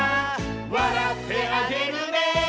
「わらってあげるね」